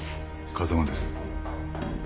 風間です。